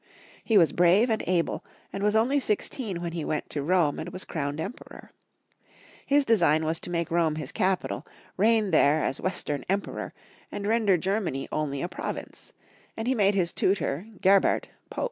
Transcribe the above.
He was brave and able, and was only sixteen when he went to Rome and was crowned Emperor. His design was to make Rome his capital, reign there as Western Emperor, and render Germany only a province; and he made his tutor, Gerbert, Pope.